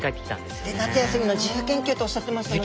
夏休みの自由研究とおっしゃってましたよね。